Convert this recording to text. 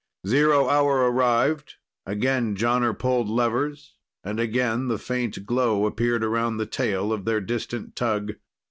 Zero hour arrived. Again Jonner pulled levers and again the faint glow appeared around the tail of their distant tug.